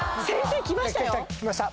先生きましたよ。